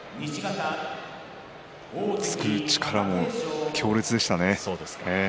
突く力も強烈でしたね。